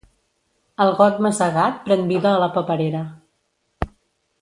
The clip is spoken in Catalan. El got masegat pren vida a la paperera.